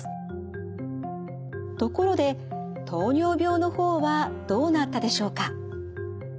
ところで糖尿病の方はどうなったでしょうか。